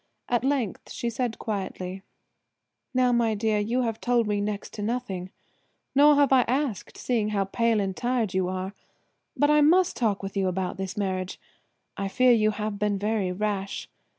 At length she said quietly: "Now, my dear, you have told me next to nothing, nor have I asked seeing how pale and tired you are, but I must talk with you about this marriage. I fear you have been very rash.